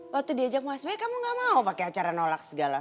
waktu diajak mas me kamu gak mau pakai acara nolak segala